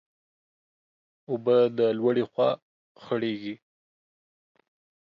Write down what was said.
اوبه د لوړي خوا خړېږي.